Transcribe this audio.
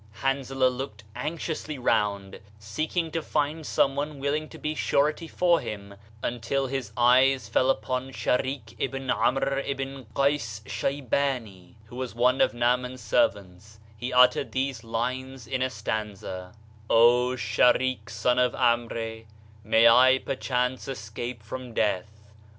Hanzalah looked anxiously round, seeking to find someone willing to be surety for him, until his eyes fell upon Shareek Ibn Amr Ibn Quais Shaibani, who was one of Naaman's servants; he uttered these lines in a stanza: "O Shareek I O sim of Amre, May I perchance escape frtHii death?